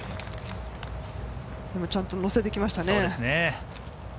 ちゃんとのせてきましたね。